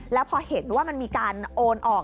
แล้วพอเห็นว่ามันมีการโอนออก